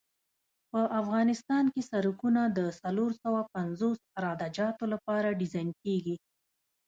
په افغانستان کې سرکونه د څلور سوه پنځوس عراده جاتو لپاره ډیزاین کیږي